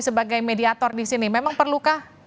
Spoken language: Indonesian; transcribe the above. sebagai mediator disini memang perlukah